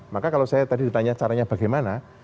maka kalau saya tadi ditanya caranya bagaimana